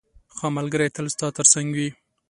ښه ملګری تل ستا تر څنګ وي.